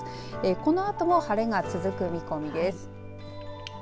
このあとも晴れが続く見込みです。